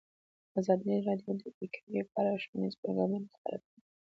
ازادي راډیو د بیکاري په اړه ښوونیز پروګرامونه خپاره کړي.